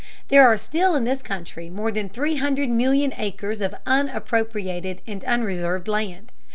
There are still in this country more than 300,000,000 acres of unappropriated and unreserved land.